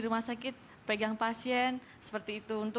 masakit pegang pasien seperti itu